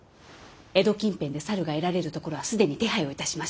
江戸近辺で猿が得られるところは既に手配をいたしました。